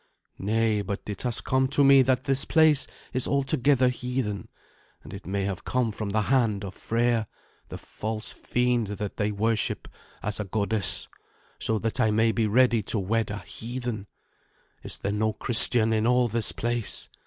"Nay, but it has come to me that this place is altogether heathen; and it may have come from the hand of Freya, the false fiend that they worship as a goddess, so that I may be ready to wed a heathen. Is there no Christian in all this place?"